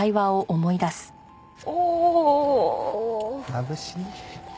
まぶしい！